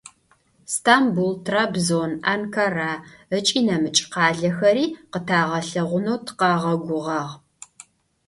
Stambul, Trabzon, Ankara ıç'i nemıç' khalexeri khıtağelheğuneu tıkhağeguğağ.